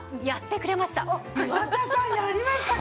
岩田さんやりましたか！